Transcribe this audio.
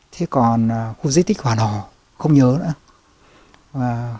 thế còn khu di tích hòa hò không nhớ nữa